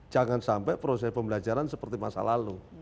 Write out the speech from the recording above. jangan sampai proses pembelajaran seperti masa lalu